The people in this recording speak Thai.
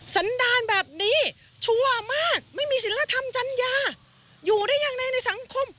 สันดารแบบนี้ชั่วมากไม่มีศิลธรรมจัญญาอยู่ได้ยังไงในสังคม